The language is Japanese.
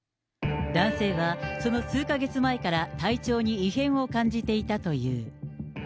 男性は、その数か月前から体調に異変を感じていたという。